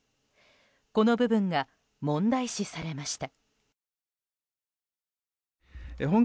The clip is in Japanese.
この部分が問題視されました。